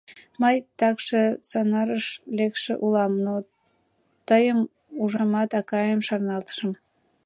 Мый такше сонарыш лекше улам, но тыйым ужымат, акайым шарналтышым.